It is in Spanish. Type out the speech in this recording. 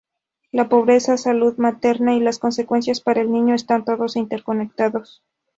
La pobreza, salud materna, y las consecuencias para el niño están todos interconectados.